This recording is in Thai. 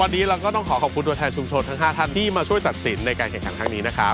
วันนี้เราก็ต้องขอขอบคุณตัวแทนชุมชนทั้ง๕ท่านที่มาช่วยตัดสินในการแข่งขันครั้งนี้นะครับ